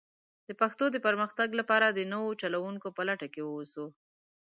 د پښتو د پرمختګ لپاره د نوو چلوونکو په لټه کې ووسو.